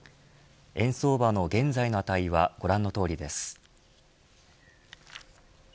円相場の現在の値はご覧のとおりです。